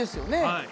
はい。